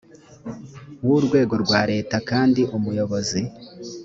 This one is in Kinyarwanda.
w urwego rwa leta kandi umuyobozi